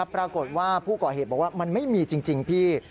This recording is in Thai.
ปรากฏว่าผู้ก่อเหตุบอกว่ามันไม่มีจริงพี่